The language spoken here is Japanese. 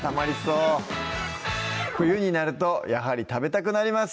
冬になるとやはり食べたくなります